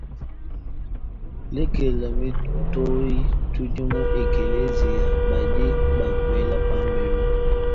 Lekela mitoyi tudi mu ekeleziya badi bakuela pambelu.